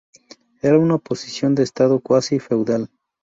Eran una posición de estado cuasi Feudal.